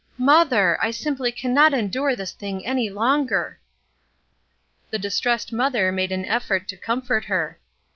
Mother, I simply cannot endure this thing any longer!'' The distressed mother made an effort to com fort her.